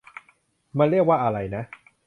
มันเรียกว่าอะไรนะ ?